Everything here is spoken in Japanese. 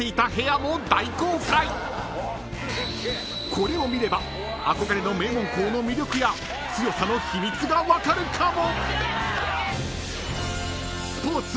［これを見れば憧れの名門校の魅力や強さの秘密が分かるかも］